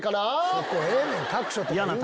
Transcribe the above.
そこええねん「各所」とか言うけど。